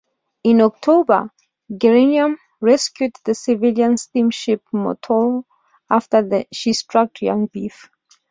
In October, "Geranium" rescued the civilian steamship "Montoro" after she struck Young Reef.